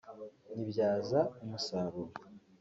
nyibyaza umusaruro